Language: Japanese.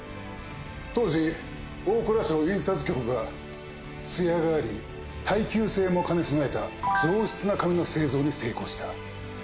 当時大蔵省印刷局が艶があり耐久性も兼ね備えた上質な紙の製造に成功した。